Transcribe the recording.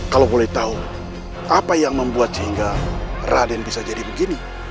kalau boleh tahu apa yang membuat sehingga raden bisa jadi begini